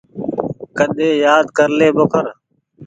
ڪيۮي يآد ڪر لي ٻوکر۔